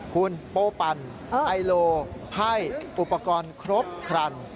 คุณโปปันไอโลไพ่อุปกรณ์ครบครัน